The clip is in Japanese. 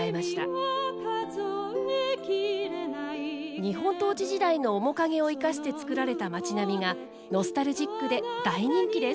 日本統治時代の面影を生かして作られた街並みがノスタルジックで大人気です。